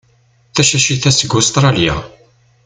Tacacit-a seg Ustṛalya.